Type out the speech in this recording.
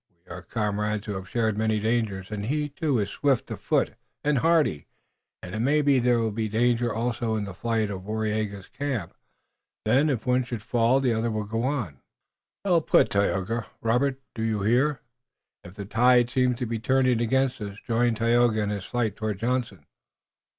We are comrades who have shared many dangers, and he, too, is swift of foot and hardy. It may be that there will be danger also in the flight to Waraiyageh's camp. Then, if one should fall the other will go on." "Well put, Tayoga. Robert, do you hear? If the tide seems to be turning against us join Tayoga in his flight toward Johnson."